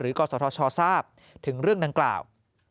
หรือกสทชทราบถึงเรื่องดังกล่าว